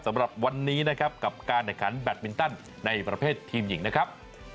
สำหรับวันนี้นะครับกับการแข่งขันแบตมินตันในประเภททีมหญิงนะครับ